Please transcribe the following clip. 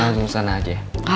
langsung ke sana aja ya